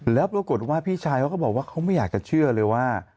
แล้วปรากฏว่าพี่ชายเขาก็บอกว่าเขาไม่อยากจะเชื่อเลยว่า